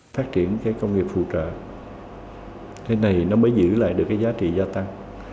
phát triển công nghiệp phụ trợ thế này mới giữ lại giá trị gia tăng